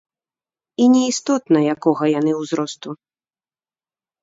І не істотна, якога яны ўзросту.